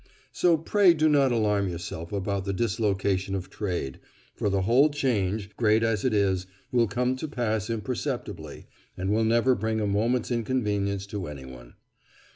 So pray do not alarm yourself about the dislocation of trade, for the whole change, great as it is, will come to pass imperceptibly, and will never bring a moment's inconvenience to anyone.